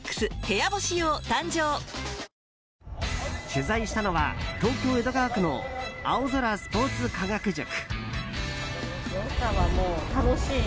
取材したのは東京・江戸川区の青空スポーツ科学塾。